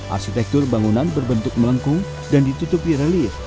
arsitektur bangunan berbentuk melengkung dan ditutupi relit